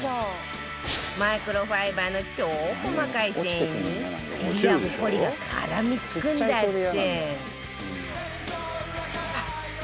マイクロファイバーの超細かい繊維にちりやホコリが絡み付くんだって